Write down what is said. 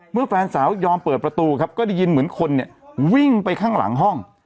แฟนสาวยอมเปิดประตูครับก็ได้ยินเหมือนคนเนี่ยวิ่งไปข้างหลังห้อง